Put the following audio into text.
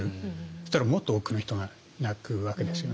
そしたらもっと多くの人が泣くわけですよね。